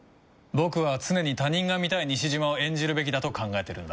僕は常に他人が見たい西島を演じるべきだと考えてるんだ。